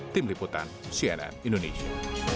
tim liputan cnn indonesia